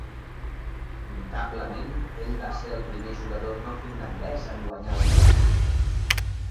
Notablement, ell va ser el primer jugador no finlandès en guanyar el premi.